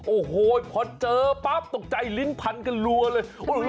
โอ้โหพอเจอปั๊บตกใจลิ้นพันกันรัวเลย